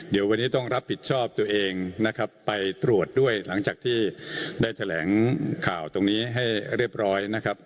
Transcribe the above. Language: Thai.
เดี๋ยววันนี้ต้องรับผิดชอบตัวเองนะครับไปตรวจด้วยหลังจากที่ได้แถลงข่าวตรงนี้ให้เรียบร้อยนะครับ